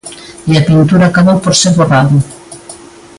E a pintura acabou por ser borrado.